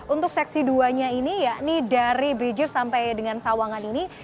untuk seksi dua nya ini yakni dari brzezik sampai dengan sawangan ini